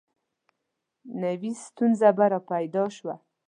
نوي ستونزه به را پیدا شوه.